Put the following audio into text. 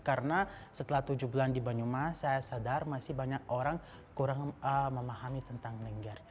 karena setelah tujuh bulan di banyumas saya sadar masih banyak orang kurang memahami tentang lengger